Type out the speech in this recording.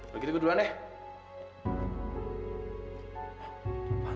begitu gue duluan ya